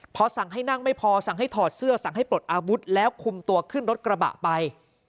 พอสั่งให้นั่งไม่พอสั่งให้ถอดเสื้อสั่งให้ปลดอาวุธแล้วคุมตัวขึ้นรถกระบะไป